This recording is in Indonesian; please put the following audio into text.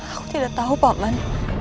aku tidak tahu pak ban